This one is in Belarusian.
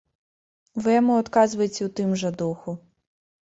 Вы яму адказвайце ў тым жа духу.